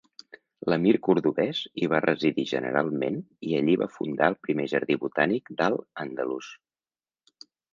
L'emir cordovès hi va residir generalment i allí va fundar el primer jardí botànic d'al-Àndalus.